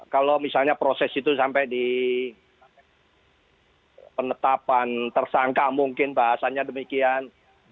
kalau misalnya proses itu sampai di penetapan tersangka mungkin bahasanya demikian